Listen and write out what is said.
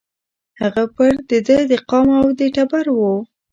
هغه پر د ده د قام او د ټبر وو